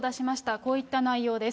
こういった内容です。